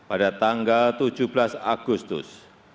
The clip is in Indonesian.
pada tanggal tujuh belas agustus dua ribu dua puluh dua